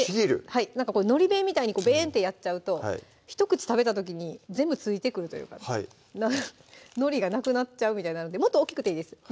はいなんかのり弁みたいにベーンってやっちゃうとひと口食べた時に全部付いてくるというかのりがなくなっちゃうみたいになるんでもっと大きくていいです